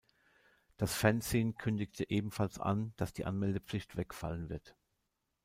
Das Fanzine kündigte ebenfalls an, dass die Anmeldepflicht wegfallen wird.